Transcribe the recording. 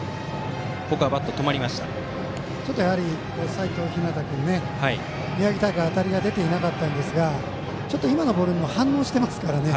やはり齋藤陽君、宮城大会で当たりが出てなかったんですがやはり、今のボールにも反応していますからね。